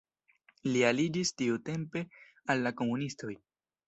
Li aliĝis tiutempe al la komunistoj.